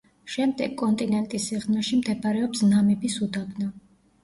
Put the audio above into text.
შემდეგ, კონტინენტის სიღრმეში მდებარეობს ნამიბის უდაბნო.